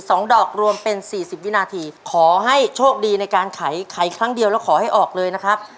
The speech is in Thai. สองดอกรวมเป็นสี่สิบวินาทีขอให้โชคดีในการไขครั้งเดียวแล้วขอให้ออกเลยนะครับ